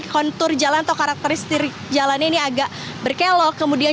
kontur jalan atau karakteristik jalannya ini agak berkelok